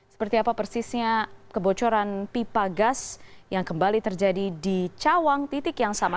seperti apa persisnya kebocoran pipa gas yang kembali terjadi di cawang titik yang sama